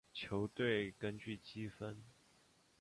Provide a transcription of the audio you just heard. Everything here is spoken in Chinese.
球队根据积分。